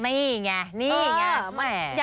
นี่ไงนี่ไงแม่